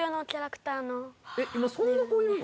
今そんな子いるの？